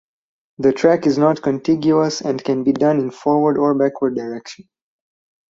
The track is not contiguous and can be done in forward or backward direction.